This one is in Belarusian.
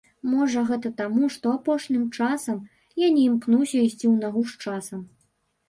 Можа, гэта таму, што апошнім часам я не імкнуся ісці ў нагу з часам.